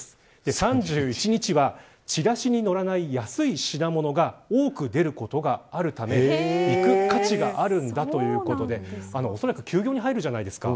３１日は、チラシに載らない安い品物が多く出ることがあるため行く価値があるんだということでおそらく休業に入るじゃないですか。